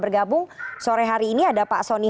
bergabung sore hari ini ada pak soni